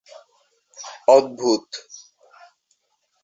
এটি উচ্চ পর্বত সঙ্গে বেষ্টিত একটি সুন্দর উপত্যকা হিসেবে পরিচিত।